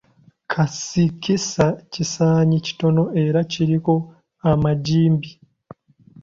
Kasikisa kisaanyi kitono era kiriko amagimbi.